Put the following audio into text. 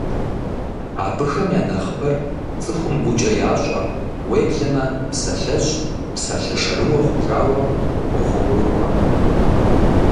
Абыхэм я нэхъыбэр цӀыхум гукӀэ ящӀэ, уеблэмэ псалъэжь, псалъэ шэрыуэ хъужауэ къогъуэгурыкӀуэ.